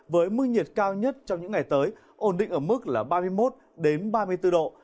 với mức nhiệt cao nhất trong những ngày tới ổn định ở mức là ba mươi một ba mươi bốn độ